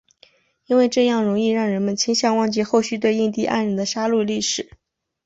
因为这样容易让人们倾向忘记后续对印第安人的杀戮历史。